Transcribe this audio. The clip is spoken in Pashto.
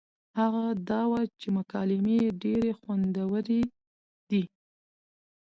هغه دا وه چې مکالمې يې ډېرې خوندورې دي